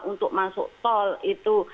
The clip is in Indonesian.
untuk masuk tol itu